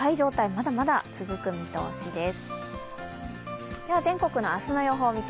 まだまだ続く見通しです。